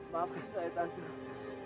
maafkan saya tansur